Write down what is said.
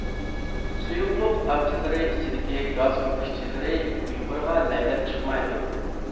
سۇيۇقلۇق تامچىلىرى ئىچىدىكى گاز كۆپۈكچىلىرى يۇقىرىغا لەيلەپ چىقمايدۇ.